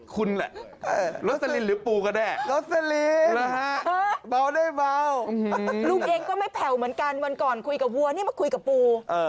กูไม่แผ่วเหมือนกันวันก่อนคุยกับวัวนี่มาคุยกับปู